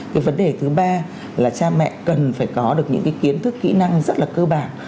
cái vấn đề thứ ba là cha mẹ cần phải có được những cái kiến thức kỹ năng rất là cơ bản